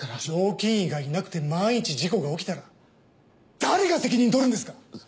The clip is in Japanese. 常勤医がいなくて万一事故が起きたら誰が責任取るんですか！？